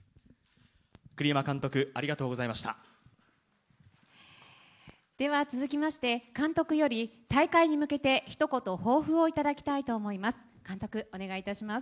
栗山監督、ありがとうございでは続きまして、監督より、大会に向けてひと言抱負を頂きたいと思います。